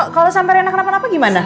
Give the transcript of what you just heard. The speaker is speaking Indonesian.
kalau sampai rena kenapa napa gimana